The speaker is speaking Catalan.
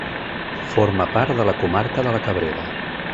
Forma part de la comarca de La Cabrera.